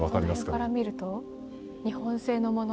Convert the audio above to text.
この辺から見ると日本製のもの？